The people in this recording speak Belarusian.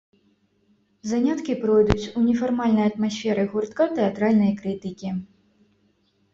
Заняткі пройдуць у нефармальнай атмасферы гуртка тэатральнай крытыкі.